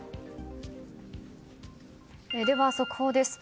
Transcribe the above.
では速報です。